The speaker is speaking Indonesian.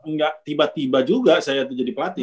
nggak tiba tiba juga saya jadi pelatih